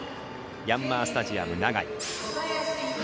ヤンマースタジアム長居。